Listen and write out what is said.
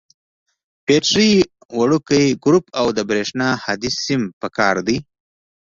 بټرۍ، وړوکی ګروپ او د برېښنا هادي سیم پکار دي.